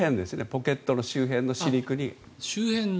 ポケットの周辺の歯肉に。